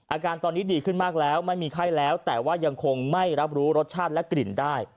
อาการตอนนี้ดีขึ้นมากแล้วไม่มีไข้แล้วแต่ว่ายังคงไม่รับรู้รสชาติและกลิ่นได้